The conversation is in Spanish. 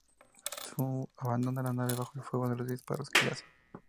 Sun abandona la nave bajo el fuego de los disparos que le hacen.